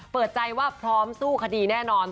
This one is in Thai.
เปิดใจว่าพร้อมสู้คดีแน่นอน